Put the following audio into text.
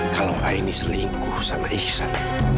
kalau aini selingkuh sama ihsan